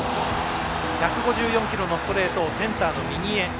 １５４キロのストレートをセンターの右へ。